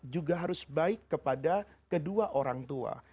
juga harus baik kepada kedua orang tua